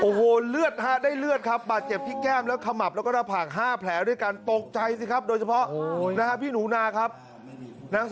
โอ้โหเลือดได้เลือดครับบาดเจ็บที่แก้มแล้วขมับแล้วก็ระผาก๕แผลด้วยกัน